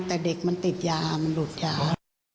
แต่เด็กมันติดยามันหลุดยา